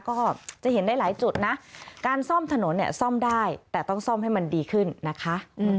ก็จะเห็นได้หลายจุดนะการซ่อมถนนเนี่ยซ่อมได้แต่ต้องซ่อมให้มันดีขึ้นนะคะ